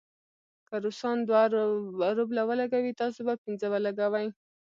که روسان دوه روبله ولګوي، تاسې به پنځه ولګوئ.